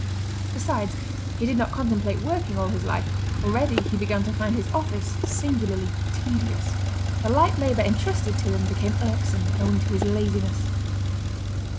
Besides, he did not contemplate working all his life; already he began to find his office singularly tedious. The light labour entrusted to him became irksome owing to his laziness.